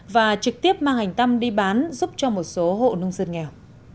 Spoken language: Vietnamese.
và trực tiếp mang hành tâm đi bán giúp cho một số hộ nông dân nghèo